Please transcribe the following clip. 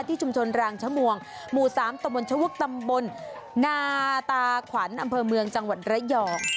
ที่ชุมชนรางชมวงหมู่๓ตะบนชวุกตำบลนาตาขวัญอำเภอเมืองจังหวัดระยอง